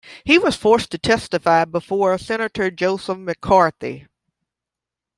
He was forced to testify before Senator Joseph McCarthy.